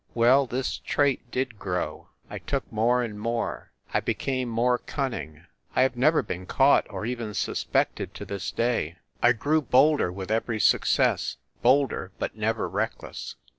Well, this trait did grow. I took more and more. I became more cunning. I have never been caught or even suspected to this day. I grew bolder with every success; bolder, but never reckless.